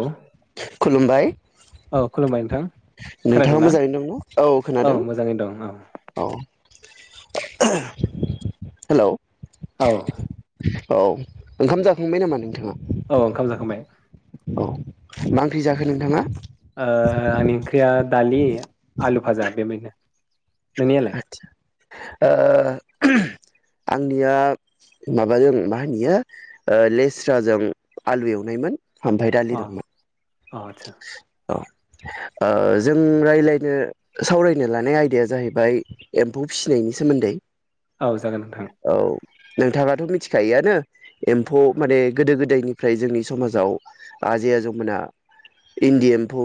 औ [inaudible] खुलुमबाय औ खुलुमबाय नोंथां खोनादों नोंथाङा ना मोजाङैनो दं न? औ खोनादों। मोजाङै दं औ औ [inaudible] हेलौ औ। औ ओंखाम जाखांबाय नामा नोंथाङा? औ ओंखाम जाखांबाय। औ मा ओंख्रि जाखो नोंथाङा? ओ आंनि ओंख्रिया दालि आलु भाजा [unintelligible] नोंनियालाय? ओ आंनिया माबाजों मा होनोयो ओ लेस्राजों आलु एवनायमोन। आमफ्राय अ दालि दंमोन। अ आदसा। औ ओ जों रायज्लायनो सावरायनो लानाय आयदाया जाहैबाय एम्फौ फिसिनायनि सोमोन्दै। औ जागोन नोंथां। औ नोंथाङाथ' मिथिखायोआनो एम्फौ माने गोदो गोदायनिफ्राय जोंनि समाजाव आजै आजौमोना इन्दि एम्फौ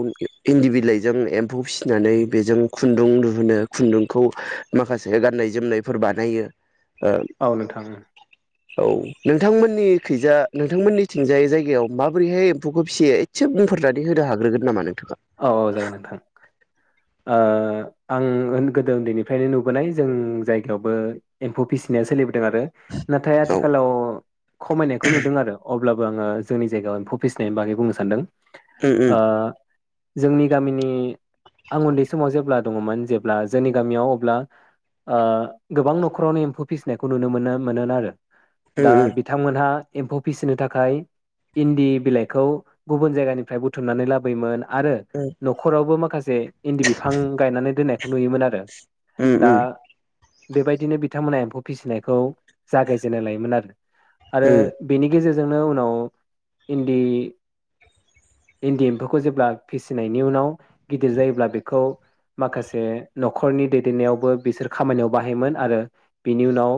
इन्दि बिलाइजों एम्फौ फिसिनानै बेजों खुन्दुं दिुहुनो खुन्दुंखौ माखासे गाननाय जोमनायफोर बानायो। ओ औ नोंथां। औ नोंथांमोननि खैजा नोंथांमोननिथिंजाय जायगायाव माबोरैहाय एम्फौखौ फिसियो एसे बुंना फोरनानै होनो हाग्रोगोन नामा नों? औ औ जागोन नोंथां। ओ आं गोदो उन्दैनिफ्रायनो नुबोनाय जों जायगायावबो एम्फौ फिसिनाया सोलिबोदों आरो। नाथाय औ आथिखालाव खमायनायखौ नुदों आरो अब अब्लाबो आङो जोंनि जायगायाव एम्फौ फिसिनाय बागै बुंनो सानदों। उम ओ जोंनि गामिनि आं उन्दै समाव जेब्ला दङमोन जेब्ला जोंनि गामियाव अब्ला ओ गोबां न'खरावनो एम्फौ फिसिनायखौ नुनो मोनो मोनोन आरो। उम दा बिथांमोनहा एम्फौ फिसिनो थाखाय इन्दि बिलाइखौ गुबुन जायगानिफ्राय बुथुमनानै लाबोयोमोन। आरो उम न'खरावबो मा खासे इन्दि बिफां गायनानै दोननाय नुयोमोन आरो। उम दा उम बेबायदिनो बिथांमोना एम्फौ फिसिनायखौ जागायजेननाय लायोमोन आरो। आरो बेनि गेजेरजों जोंनो उनाव इन्दि इन्दि एम्फौखौ जेब्ला फिसिनायनि उनाव गिदिर जायोब्ला बेखौ माखासे न'खरनि दैदेननायावबो बिसोर खामानियाव बाहायोमोन आरो बिनि उनाव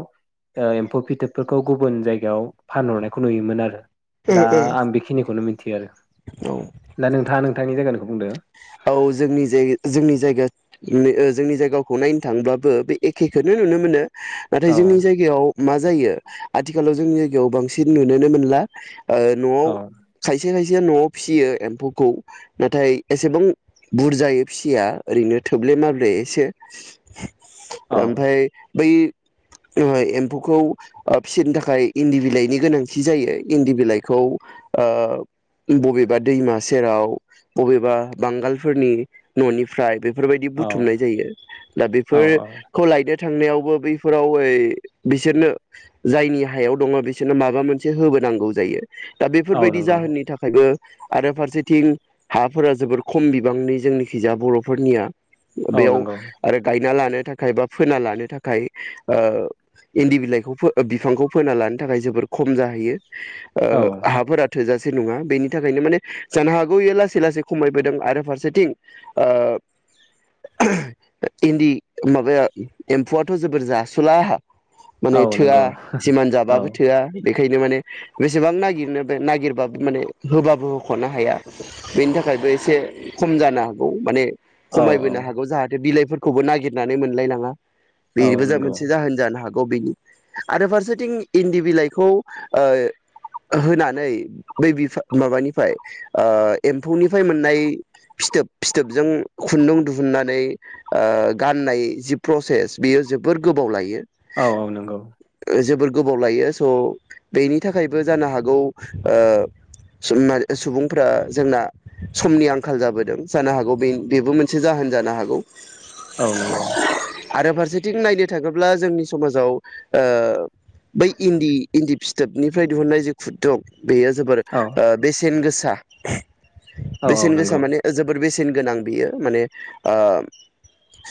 एम्फौ फिथोबफोरखौ गुबुन जायगायाव फानहरनायखौ नुयोमोन आरो। उम दा उम आं बेखिनिखौनो मिथि थि आरो। उम औ दा नोंथाङा नों नोंथांनि जायगानिखौ बुंदो। औ जोंनि जायगा जोंनि जायगा ओ जोंनि जायगाखौ नायनो थांब्लाबो बे एखेखौनो नुनो मोनो। नाथाय औ जोंनि जायगायाव मा जायो आथिखालाव जोंनि [unintelligible] बांसिन नुनोनो मोनला ओ न'आव औ खायसे खाय [unintelligible] न'आव फिसियो एम्फौखौ नाथाय एसेबां बुरजायै फिसिया ओरैनो थोब्ले माब्ले एसे औ ओमफाय बै [unintelligible] एम्फौखौ ओ फिसिनो थाखाय इन्दि बिलाइनि गोनांथि जायो इन्दि बिलाइखौ ओ बबेबा दैमा सेराव बबेबा बांगालफोरनि न'निफ्राय बे फोरबायदि औ बुथुमनाय जायो दा औ बेफोर औ खौ [unintelligible] थांनायावबो बैफोराव ओइ बिसोरनो जायनि हायाव दङ बिसोरनो माबा मोनसे होबोनांगौ जायो। दा औ बेफोरबायदि नंगौ जाहोननि थाखायबो आरो फारसेथिं हाफोरा जोबोर खम बिबांनि जोंनिखिजा बर'फोरनिया । औ बेयाव नंगौ आरो गाय ना लानो थाखाय बा फोना लानो थाखाय ओ इन्दि बिलाइखौ फो बिफांखौ फोना लानो थाखाय जोबोर खम जाहैयो । औ ओ हाफोरा थोजा से नङा बिनि थाखायनो माने जानो हागौ इयो लासै लासै खमाय बोदों आरो फारसेथिं ओ [unintelligible] इन्दि माबाया एम्फौआथ' जोबोर जासुला माने औ थोआ नंगौ जिमान औ जाबाबो थोआ बेखायनो माने बेसेबां नागिरनो बे नागिरबाबो माने होबाबो होख'नो हाया बेनि थाखायबो एस से खम जानो हागौ माने औ खमायबोनो हागौ जाहाथे बिलाइफोर खौबो नागिरनानै मोनलायलाङा । बेबो औ जा नंगौ मोनसे जाहोन जानो हाग [unintelligible] आरो फारसेथिं इन्दि बिलाइखौ ओ होनानै [unintelligible] माबानिफाय एम्फौनिफाय मोन नाय फिथोब फिथोबजों खुन्दुं दुहुननानै ओ गाननाय जि प्रसेस बेयो जोबोर गोबाव लायो । औ औ नोंगौ ओ जोबोर गोबाव लायो स' बेनि थाखायबो जानो हागौ ओ [unintelligible] सुबुंफ्रा जोंना समनि आंखाल जाबोदों जानो हागौ बे बेबो मोनसे जाहोन जानो हागौ । औ नोंगौ आरो फारसेथिं नायनो थाङोब्ला जोंनि समाजाव ओ बै इन्दि इन्दि फिथोबनिफ्राय दिहुननाय जे खुन्दुं बेयो जोबोर औ ओ बेसेन गोस [inaudible] औ औ बेसेन गोसा नंगौ माने जोबोर बेसे सेन गोनां बेयो माने ओ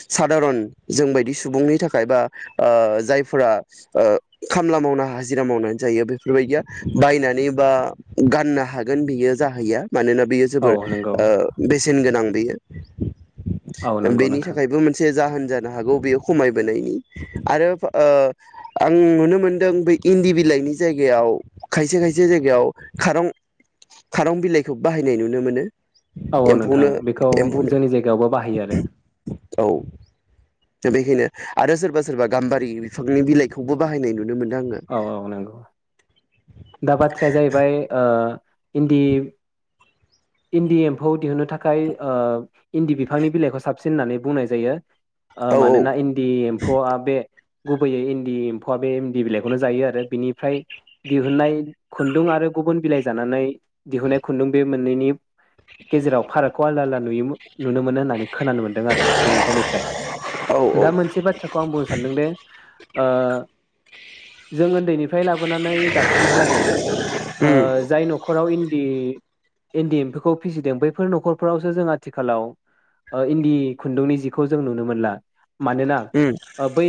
सादारन जोंबायदि सुबुंनि थाखाय बा ओ जायफोरा ओ खामला मावना हाजिरा मावनानै जायो बेफोरबायदिया बायनानै बा गाननो हागोन बेयो जाहैया मानोना बेयो औ जोबोर नंगौ ओ बेसेन गोनां । बेयो औ । नंगौ बेनि नोंथां थाखायबो मोनसे जाहोन जानो हागौ बेयो खमायबोनायनि आरो ओ आं नुनो मोनदों बै इन्दि बिलाइनि जायगायाव खायसे खायसे जायगायाव खारं खारं बिलाइखौ बाहायनाय नुनो मोनो । औ औ नोंथां बेखौ जोंनि जायगायावबो बाहायो आरो औ बेखायनो आरो सोरबा सोरबा गाम्बारि बिफांनि बिलाइखौबो बाहायनाय नुनो मोनो । औ औ नंगौ दा बाथ्राया जाहैबाय ओ इन्दि इन्दि एम्फौ दिहुनो थाखाय ओ इन्दि बिफांनि बिलाइखौ साबसिन होननानै बुंनाय जायो । ओ मानोना इन्दि एम्फौआ बे गुबैयै इन्दि एम्फौआ बे इन्दि बिलाइ खौनो जायो आरो बिनिफ्राय दिहुननाय खुन्दुं आरो गुबुन बिलाइ जानानै दिहुननाय खुन्दुं बे मोननैनि गेजेराव फारागखौ आलदा आलदा नुयो नुनो मोनो होननानै खोनानो मोन्दों आरो सुबुंफोरनिफ्राय औ औ दा मोनसे बाथ्राखौ आं बुंनो सानदोंदे ओ जोङो उन्दैनिफ्राय लाबोनानै दासिमहालाै ओ उम जाय नखराव इन इन्दि एम्फौखौ फिसिदों बैफोर न'खरफोरावसो जों आथिखालाव ओ इन्दि खुन्दुंनि जिखौ जों नुनो मोनला। मानोना उम ओ बै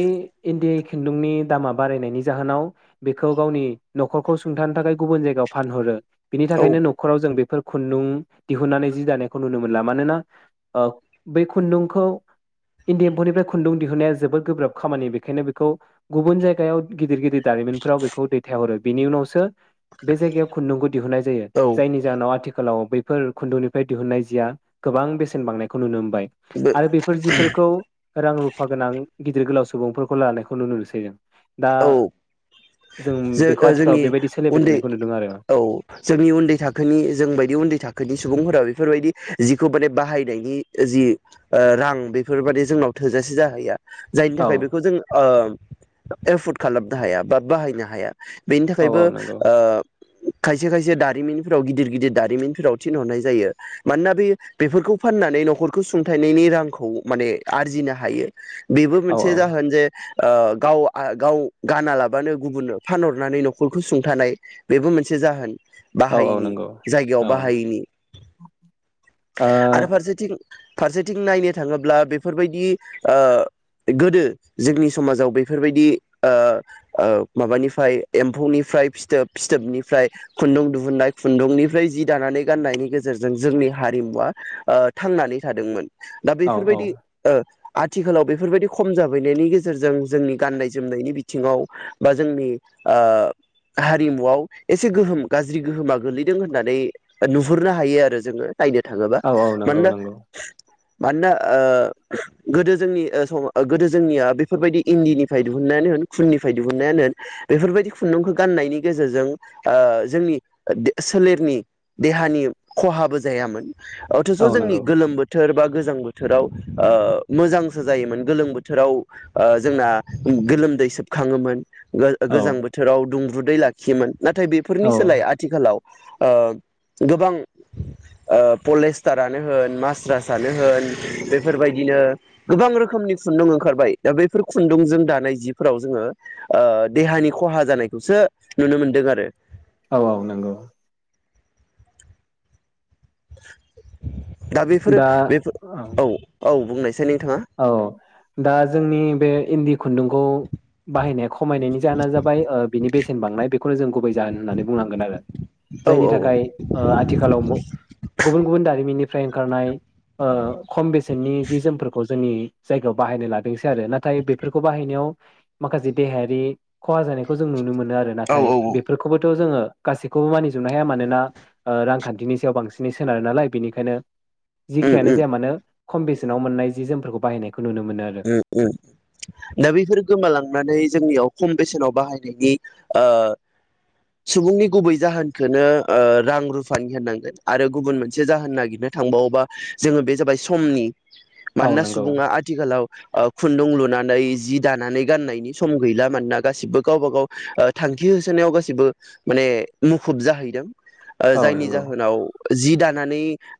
इन्दि खुन्दुंनि दामा बारायनायनि जाहोनाव बेखौ गावनि नखरखौ सुंथानो थाखाय गुबुन जायगायाव फानहरो बिनि औ थाखायनो न'खराव जों बेफोर खुन्दुं दिहुननानै जि दानायखौ नुनो मोनला मानोना ओ बे खुन्दुंखौ इन्दि एम्फौनिफ्राय खुन्दुं दिहुनाया जोबोद गोब्राब खामानि बेखायनो बेखौ गुबुन जायगा गायाव गिदिर गिदिर दारिमिफोराव बेखौ दैथायहरो बेनि उनावसो बे जायगायाव खुन्दुंखौ दिहुननाय जायो औ जायनि जाहोनाव आथिखा खालाव बैफोर खुन्दुंनिफ्राय दिहुनन्नाय जिया गोबां बेसेन बांनायखौ नुनो मोनो। बाय आरो बेफोर जिफोरखौ रां रुफा गोनां गिदिर गोलाव सुबुंफोरखौ लानायखौ नुनो मोनसै जों। दा औ जों जो बेखौ ओ आथिखालाव जोंनि बेबायदि सोलिबाय उन्दै थानायखौ नुदों आरो औ जोंनि उन्दै थाखोनि जों बायदि उन्दै थाखोनि सुबुंफोरा बेफोरबायदि जिखौ माने बाहायनायनि जि ओ रां बेफोर बादि जोंनाव थोजासे जाहैया जायनि औ थाखाय बेखौ जों ओ एफर्ड खालामनो हाया बा बाहायनो हाया। बेनि औ थाखायबो औ नंगौ ओ खायसे खायसे दारिमिनफोराव गिदिर गिदिर दारिमिनफोराव थिनहरनाय जायो मानोना बे बेफोरखौ फाननानै न'खरखौ सुंथाइनायनि रांखौ माने आरजिनो हायो। बेबो औ मोनसे औ जाहोन जे ओ गाव आ गाव गाना लाबानो गुबुननो फानहरनानै न'खरखौ सुंथानाय बेबो मोनसे जाहोन औ औ बाहायैनि नंगौ जायगायाव औ ओ बाहायैनि। औ आरो फारसेथिं फारसेथिं नायनो थाङोब्ला, बेफोरबायदि ओ गोदो जोंनि समाजाव बेफोरबायदि ओ- ओ माबानिफ्राय एम्फौनिफ्राय फिथोब, फिथोबनिफ्राय खुन्दुं दिहुननाय खुन्दुंनिफ्राय जि दानानै गाननायनि गेजेरजों जोंनि हारिमुवा ओ थांनानै थादोंमोन। दा औ बेफोरबायदि आथिखालाव बेफोरबायदि खम जाबैनायनि गेजेरजों, जोंनि गाननाय जोमनायनि बिथिङाव बा जोंनि ओ हारिमुआव एसे गोहोम गाज्रि गोहोमा गोलैदों होननानै नुहुरनो हायो आरो जोङो। नायनो थाङोबा औ औ नंगौ मानोना नंगौ मानोना, ओ गोदो जोंनि गोदो जोंनिया बेफोरबायदि इन्दिनिफ्राय दिहुन्नायानो होन, खुननिफ्राय दिहुनायानो होन, बेफोरबायदि खुन्दुंखौ गान्नायनि गेजेरजों ओ जोंनि सोलेरनि देहानि खहाबो ज जायामोन। अथेस' औ जोंनि नंगौ गोलोम बोथोर बा गोजां बोथोराव ओ, मोजांसो जायोमोन गोलोम बोथोराव ओ जोंना गोलोमदै सोबखाङोमोन। गो औ गोजां बोथोराव दुं दुदै लाखियोमोन। नाथाय औ बेफोरनि सोलाय आथिखालाव ओ गोबां ओ पलेस्टारानो होन, मास्रासानो होन, बेफोरबायदिनो गोबां रोखोमनि खुनदों ओंखारबाय दा बे फोर खुन्दुंजों दानाय जिफोराव जोङो ओ देहानि खहा जानायखौसो नुनो मोनदों आरो । औ औ नोंगौ। [inaudible] दा बेफोरो बेफो औ औ बुंनायस औ दा जोंनि बे इन्दि खुन्दुंखौ बाहायनाया खमायनायनि जहोना जाबाय ओ बिनि बेसेन बांनाय [unintelligible] [unintelligible] जों गुबै जाहोन होननानै बुंनांगोन आरो, औ जायनि थाखाय ओ आथिखालाव म' गुबुन गुबुन दारिमिननि फ्राय ओंखारनाय ओ खम बेसेननि जि जोमफोर [unintelligible] जोंनि जायगायाव बाहायनो लादों आरो नाथाय बेफोरखौ बाहायनायाव माखासे देहायारि खहा जानायखौ जों नुनो मोनो। नो आरो औ नाथाय औ बेफोरखौबोथ' जोङो गासैखौबो मानिजोबनो हाया मानोना ओ रांखान्थिनि सायाव बांसिनै सोनारो नालाय बेनिखायनो उम जेखियानो उम जाया मानो। खम बेसेनाव मोननाय जि जोमफोरखौ बाहायनाय उम उम दा बैफोर गोमालांनानै जोंनियाव खम बेसेनाव बाहायनायनि ओ सुबुंनि गुबै जाहोनखोनो ओ रां रुफानि होननांगोन आरो गुबुन मोनसे जाहोन नागिरनो थांबावोबा जोङो बे जाबाय समनि औ मानोना नंगौ सुबुङा आथिखालाव ओ खुन्दुं लुनानै जि दानानै गाननायनि सम गैला मानना गासिबो गावबा गाव ओ थांखि होसोनायाव गासिबो माने मुखुब जाहैदों ओ औ जायनि नंगौ जाहोनाव जि दा नानै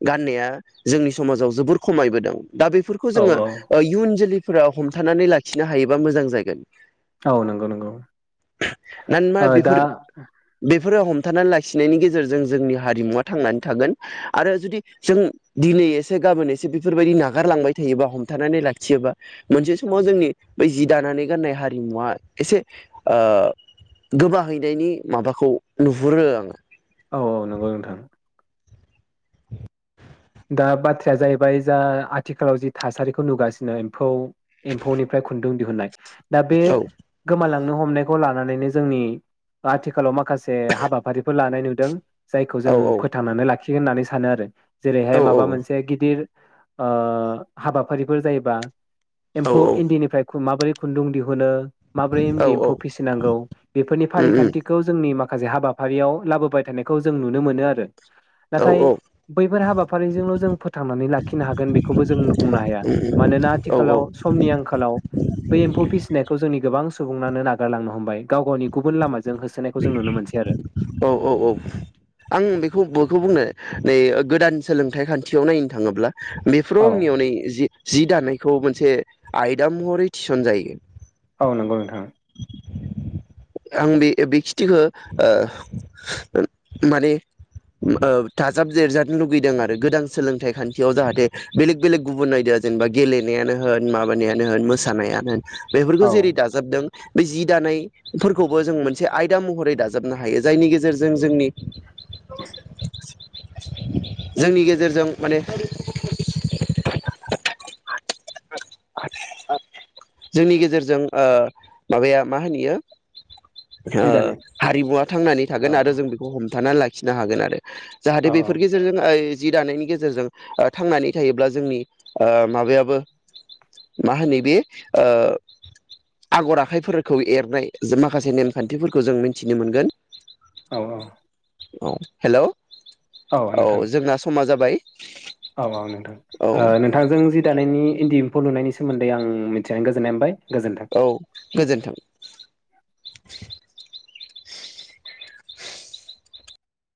गाननाया जोंनि समाजाव जोबोर खमायबोदों दा बेफोरखौ औ जोङो औ ओ इयुन जों लैफोरा हमथानानै लाखिनो हायोबा मोजां जागोन औ नंगौ नंगौ ओ दा फोरो हमथानानै लाखिनायनि गेजेरजों जोंनि हारिमुवा थांनानै थागोन आरो जुदि जों दिनै एसे गाबोन एसे बिफोरबायदि नागारलांबाय थायोबा हमथानानै लाखियोबा मोनसे समाव जोंनि बै जि दानानै गाननाय हारिमुवा एसे ओ गोबाहैनायनि माबाखौ नुहुरो आङो औ औ नंगौ नोंथां दा बाथ्राया जाहैबाय जा आथिखालाव जि थासारिखौ नुगासिनो एम्फौ एम्फौनिफ्राय खुन्दुं दिहुुननाय दा बे औ गोमालां नो हमनोलानानैनो जोंनि आथिालाव मा खासे हाबाफारिफोर लानाय नु दों जायखौ औ जों फोथांनानै लाखि थिग होननानै सानो आरो जेरैहाय औ माबा मोनसे गिदिर हाबाफारिफोर जायोबा औ एम्फौ इन्दिनिफ्राय माबोरै खुन्दुं दिहुनो माब्रै औ इन्दि एम्फौ फिसिनांगौ बेफोरनि फारिखान्थिखौ जोंनि माखा माखासे हाबाफारियाव लाबोबाय थानायखौ जों नुनो मोनो आरो नाथाय बैफोर हाबाफारिजोंल' जों फोथांनानै लाखिनो हागोन बेखौबो जों बुंनो हाया मानोना औ औ औ आथिखालाव समनि आंखालाव बे एम्फौ फिसिनायखौ जोंनि गोबां सुबुंनानो नागारलांनो हमबाय गाव गावनि गुबुन लामाजों जों होसोनायखौ जों नुनो मोनसै आरो औ औ औ आं बेखौ बोखौ बुंनो नै गोदान सोलोंथाइ खान्थियाव नायनो थाङोब्ला बेफोराव औ आंनियावनै जि जि दानायखौ मोनसे आयदा महरै थिसन जायो औ नंगौ नोंथां आं बे बे खिथिखौ ओ माने ओ थाजाब जिरजानो लुगैदों आरो गोदान सोलोंथाइ खान्थियाव जाहाथे बेलेग बेलेग गुबुन आयदाया जेनेबा गेलेनायानो होन माबानायानो होन मोसानायानो होन बेफोरखौ औ जेरै दाजाबदों बे जि दानायफोरखौबो जों मोनसे आयदा महरै दाजाबनो हायो जायनि गेजेरजों जोंनि जोंनि गेजेरजों माने जोंनि गेजेरजों ओ माबाया मा होनोयो जि दानाय हारिमुवा थांनानै औ थागोन आरो जों बेखौ हमथानानै लाखि खिनो हागोन आरो। जाहाथे बेफोर औ गेजेरजों जि दानायनि गेजेरजों थांनानै थायोब्ला जोंनि माबायाबो मा होनो बे ओ आगर आखाइफोरखौ एरनाय ज माखासे नेमखान्थिफोरखौ जों मिथिनो मोनगोन। औ औ। औ हेल'। औ जोंना समाजाब। बाय। औ औ नोंथां नोंथांजों जि दानायनि इन्दि खौ लुनायनिोम्दैं मिथिनानै गोजोननाय मोनबाय। गोजोन्थों। औ गोजोन्थों।